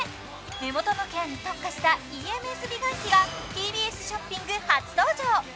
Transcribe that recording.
目元のケアに特化したＥＭＳ美顔器がＴＢＳショッピング初登場！